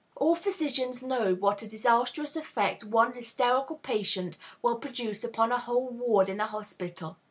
All physicians know what a disastrous effect one hysterical patient will produce upon a whole ward in a hospital.